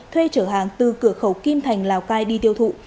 thuê trở hàng từ cửa khẩu kim thành lào cai đi tiêu thụ